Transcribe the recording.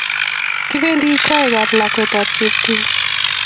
Kipendi chaik ap lakwet ap Cheptum